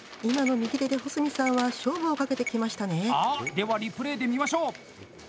ではリプレーで見ましょう。